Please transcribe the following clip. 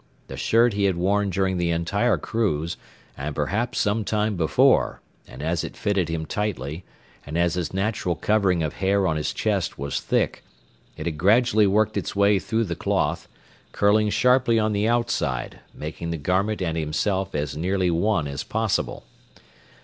The shirt he had worn during the entire cruise, and perhaps some time before, and as it fitted him tightly, and as his natural covering of hair on his chest was thick, it had gradually worked its way through the cloth, curling sharply on the outside, making the garment and himself as nearly one as possible.